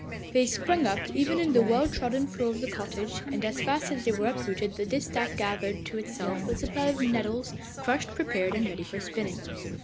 They sprung up even in the well trodden floor of the cottage, and as fast as they were uprooted the distaff gathered to itself a supply of nettles, crushed, prepared, and ready for spinning.